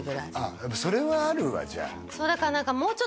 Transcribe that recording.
あやっぱそれはあるわじゃあ